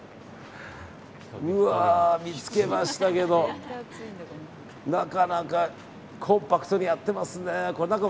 見つけましたけどなかなかコンパクトにやってますね。